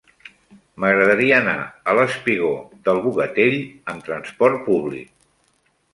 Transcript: M'agradaria anar al espigó del Bogatell amb trasport públic.